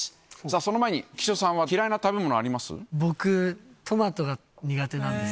その前に、浮所さんは嫌いな食べ物、あります？